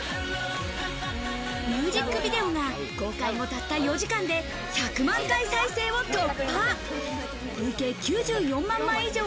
ミュージックビデオが公開後たった４時間で１００万回再生を突破。